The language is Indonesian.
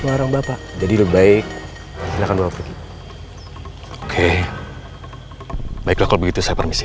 warang bapak jadi lebih baik silahkan luar pergi oke baiklah kalau begitu saya permisi